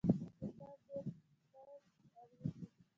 مچان ډېر تند الوزي